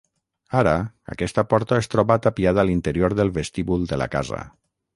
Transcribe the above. Ara aquesta porta es troba tapiada a l'interior del vestíbul de la casa.